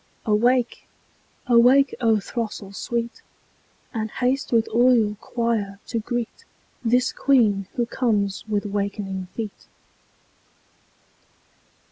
Awake! awake, O throstle sweet! And haste with all your choir to greet This Queen who comes with wakening feet.